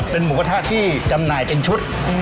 เป็นมุตถ่าที่จำหน่ายเป็นชุด